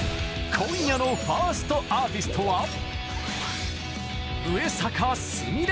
今夜のファーストアーティストは上坂すみれ。